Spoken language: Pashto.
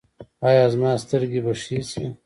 ایا زما سترګې به ښې شي؟